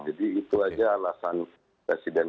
jadi itu saja alasan presiden